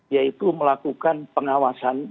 yaitu melakukan pengawasan kinerja